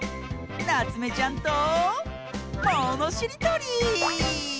なつめちゃんとものしりとり！